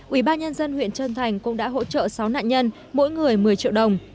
ủy ban nhân dân huyện trân thành cũng đã hỗ trợ sáu nạn nhân mỗi người một mươi triệu đồng